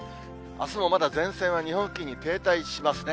あすもまだ前線が日本付近に停滞しますね。